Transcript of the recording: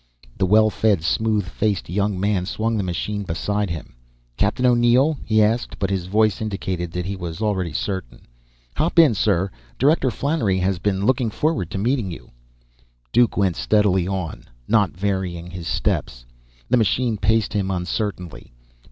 The well fed, smooth faced young man swung the machine beside him. "Captain O'Neill?" he asked, but his voice indicated that he was already certain. "Hop in, sir. Director Flannery has been looking forward to meeting you!" Duke went steadily on, not varying his steps. The machine paced him uncertainly.